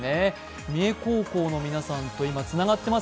三重高校の皆さんと今、つながっています。